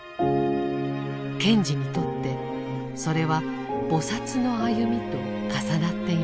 賢治にとってそれは菩の歩みと重なっていました。